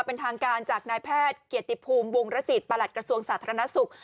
เป็นทางการจากนายแพทย์เกียรติภูมิวงรจิตประหลัดกระทรวงสาธารณสุข